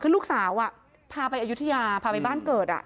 คือลูกสาวพาไปอายุทยาพาไปบ้านเกิด